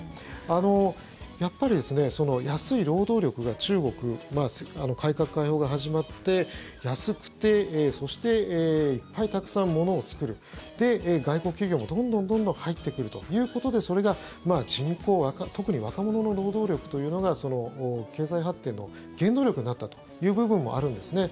やっぱり安い労働力が中国、改革開放が始まって安くて、そしていっぱいたくさんものを作るで、外国企業もどんどん入ってくるということでそれが人口特に若者の労働力というのが経済発展の原動力になったという部分もあるんですね。